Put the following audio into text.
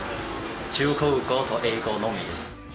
中国語と英語のみです。